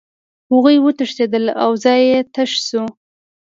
هغوی وتښتېدل او دا ځای تش شو